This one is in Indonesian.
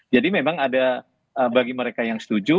jadi memang ada bagi mereka yang setuju